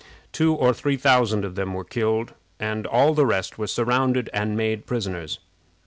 Two or three thousand of them were killed, and all the rest were surrounded and made prisoners.